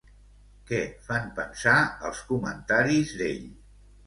Què fan pensar, els comentaris d'ell?